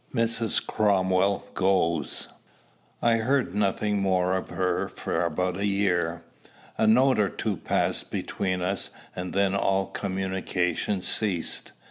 MRS. CROMWELL GOES. I heard nothing more of her for about a year. A note or two passed between us, and then all communication ceased.